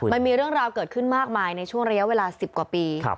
มันมีเรื่องราวเกิดขึ้นมากมายในช่วงระยะเวลา๑๐กว่าปี